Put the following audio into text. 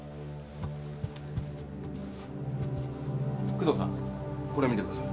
工藤さんこれ見てください。